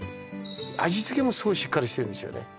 味付けもすごいしっかりしてるんですよね